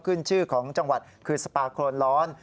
ขึ้นชื่อของจังหวัดคือสปาโครนร้อน